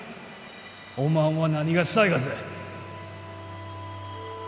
おまんは何がしたいがぜ？